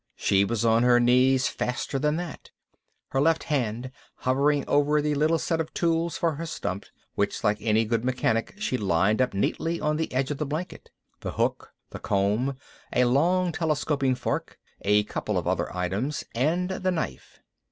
She was on her knees faster than that, her left hand hovering over the little set of tools for her stump, which like any good mechanic she'd lined up neatly on the edge of the blanket the hook, the comb, a long telescoping fork, a couple of other items, and the knife.